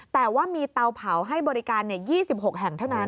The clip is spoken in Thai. แต่ว่ามีเตาเผาให้บริการ๒๖แห่งเท่านั้น